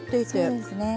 そうですね。